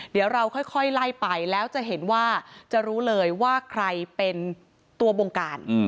เดี๋ยวเราค่อยไล่ไปแล้วจะเห็นว่าจะรู้เลยว่าใครเป็นตัวบงการ